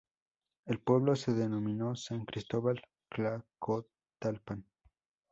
El pueblo se denominó San Cristóbal Tlacotalpan.